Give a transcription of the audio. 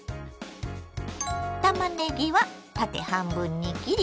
たまねぎは縦半分に切り縦に薄切り。